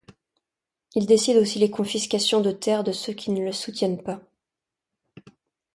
Il décide aussi les confiscations de terres de ceux qui ne le soutiennent pas.